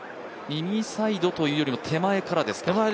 右サイドというよりも手前からですか。